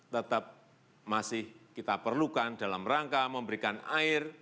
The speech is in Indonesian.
tetap masih kita perlukan dalam rangka memberikan air